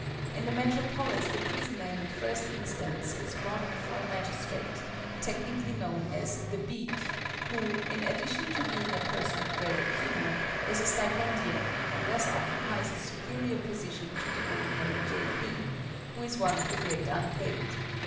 In the Metropolis the prisoner in the first instance is brought before a magistrate, technically known as the 'beak,' who, in addition to being a person of great acumen, is a stipendiary, and thus occupies a superior position to the ordinary 'J.P.,' who is one of the great unpaid.